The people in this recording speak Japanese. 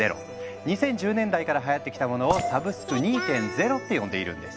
２０１０年代からはやってきたものを「サブスク２．０」って呼んでいるんです。